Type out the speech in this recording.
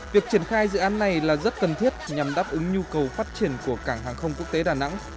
việc triển khai dự án này là rất cần thiết nhằm đáp ứng nhu cầu phát triển của cảng hàng không quốc tế đà nẵng